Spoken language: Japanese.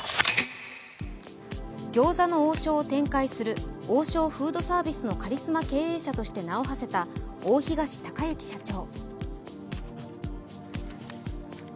餃子の王将を展開する王将フードサービスのカリスマ経営者として名をはせた大東隆行社長。